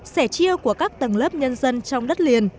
sẻ chia của các tầng lớp nhân dân trong đất liền